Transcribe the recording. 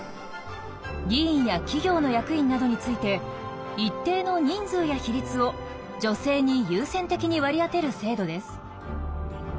議員や企業の役員などについて一定の人数や比率を女性に優先的に割り当てる制度です。